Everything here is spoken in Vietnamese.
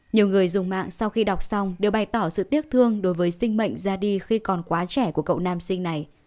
nhiều người dùng mạng sau khi đọc xong đều bày tỏ sự tiếc thương đối với sinh mệnh ra đi khi còn quá trẻ của cậu nam sinh này